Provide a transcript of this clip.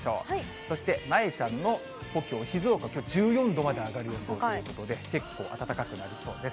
そして、なえちゃんの故郷、静岡、きょう１４度まで上がる予想ということで、結構、暖かくなりそうです。